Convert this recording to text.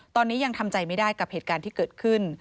ตอนนี้ยังทำใจไม่ได้กับเหตุการณ์ที่เกิดขึ้น